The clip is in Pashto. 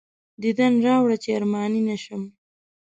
دیدن راوړه چې ارماني نه شم.